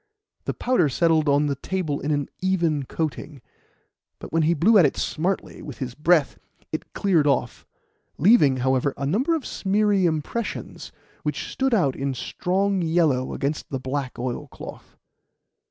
The powder settled on the table in an even coating, but when he blew at it smartly with his breath, it cleared off, leaving, however, a number of smeary impressions which stood out in strong yellow against the black oilcloth.